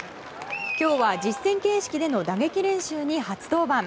今日は実戦形式での打撃練習に初登板。